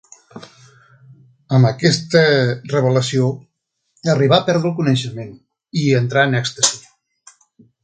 Amb aquesta revelació arribà a perdre el coneixement i entrà en èxtasi.